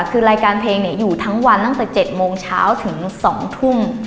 คือรายการเพลงอยู่ทั้งวันตั้งแต่๗โมงเช้าถึง๒ทุ่ม